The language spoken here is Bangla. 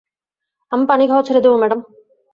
আমি পান খাওয়া ছেড়ে দেব, ম্যাডাম।